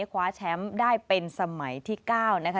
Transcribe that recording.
คว้าแชมป์ได้เป็นสมัยที่๙นะคะ